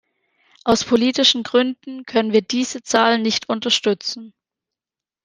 Aus politischen Gründen können wir diese Zahl nicht unterstützen.